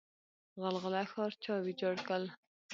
غلغله ښار چا ویجاړ کړ؟